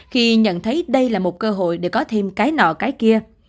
khi nhận thấy đây là một cơ hội để có thêm cái nọ cái kia